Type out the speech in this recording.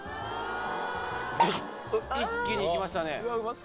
一気にいきましたね。